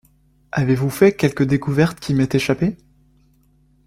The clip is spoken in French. Avez-vous fait quelque découverte qui m’ait échappé?